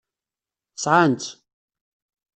Sɛan-tt.